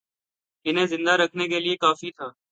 انہیں زندہ رکھنے کے لیے کافی تھا